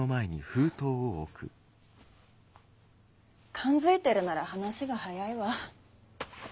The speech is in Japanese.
勘づいてるなら話が早いわ。